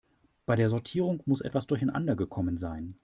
Bei der Sortierung muss etwas durcheinander gekommen sein.